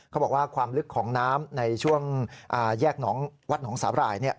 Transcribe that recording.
เขาบอกว่าความลึกของน้ำในช่วงแยกวัดหนองสาบรายเนี่ย